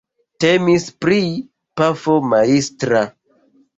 Temis pri pafo majstra.